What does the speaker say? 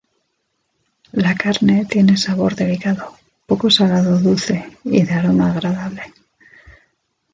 La carne tiene sabor delicado, poco salado o dulce y de aroma agradable.